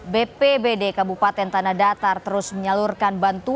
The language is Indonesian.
bpbd kabupaten tanah datar terus menyalurkan bantuan